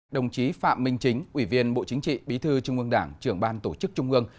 đồng chí phạm minh chính ủy viên bộ chính trị bí thư trung ương đảng trưởng ban tổ chức trung ương